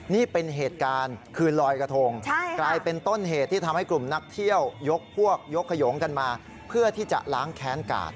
นี่เป็นเหตุการณ์คืนลอยกระทงกลายเป็นต้นเหตุที่ทำให้กลุ่มนักเที่ยวยกพวกยกขยงกันมาเพื่อที่จะล้างแค้นกาด